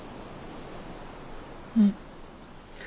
うん。